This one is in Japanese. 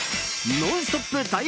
「ノンストップ！」